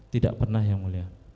tidak pernah yang mulia